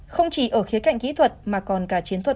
không chỉ ở khía cạnh kỹ thuật